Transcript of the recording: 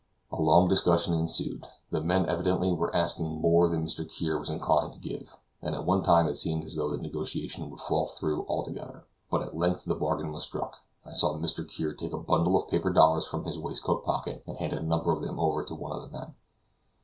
A long discussion ensued. The men evidently were asking more than Mr. Kear was inclined to give, and at one time it seemed as though the negotiation would fall through altogether. But at length the bargain was struck, and I saw Mr. Kear take a bundle of paper dollars from his waistcoat pocket, and hand a number of them over to one of the men.